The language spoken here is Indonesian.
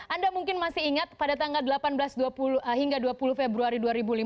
anda mungkin masih ingat pada tanggal delapan belas dua puluh hingga dua puluh februari dua ribu lima belas